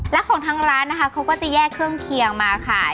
และของทางร้านนะคะเขาก็จะแยกเครื่องเคียงมาขาย